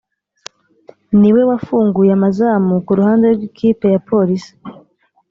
niwe wafunguye amazamu ku ruhande rw’ikipe ya polisi